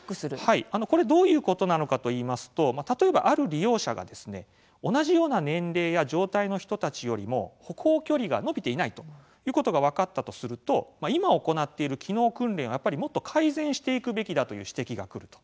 これどういうことなのかといいますと例えば、ある利用者が同じような年齢や状態の人たちよりも歩行距離が伸びていないということが分かったとすると今、行っている機能訓練をやっぱり、もっと改善していくべきだという指摘がくると。